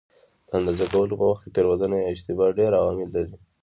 د اندازه کولو په وخت کې تېروتنه یا اشتباه ډېر عوامل لري.